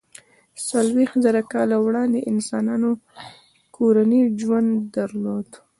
څلویښت زره کاله وړاندې انسانانو کورنی ژوند درلود.